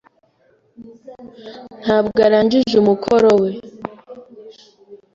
Ntabwo arangije umukoro we.